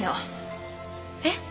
えっ？